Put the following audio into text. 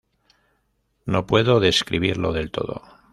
No puedo describirlo del todo.